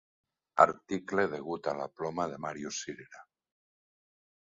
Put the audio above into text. Article degut a la ploma de Màrius Cirera.